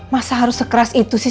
masa harus sekeras itu sih